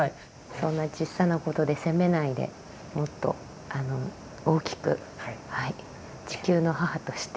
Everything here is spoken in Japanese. そんな小さなことで責めないでもっと大きく地球の母として。